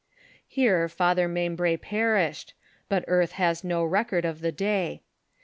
Here Father Membre perished, but earth has no record of the day.